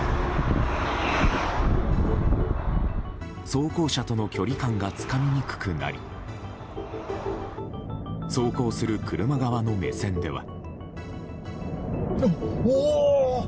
走行車との距離感がつかみにくくなり走行する車側の目線では。